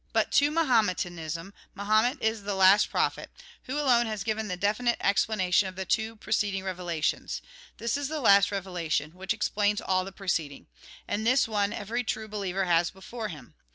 But to Mahometanism, Mahomet is the last prophet, who alone has given the definite explana tion of the two preceding revelations,' — this is the last revelation, which explains all the preceding ; and this one every true believer has before him.